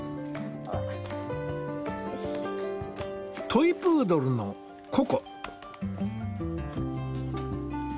トイプードルのココ。